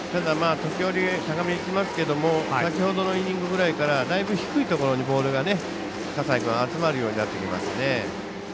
時折高めにきますけれども先ほどのイニングぐらいからだいぶ低いところにボールが葛西君集まるようになってきましたね。